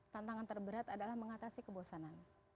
tantangan terberat adalah mengatasi kebosanan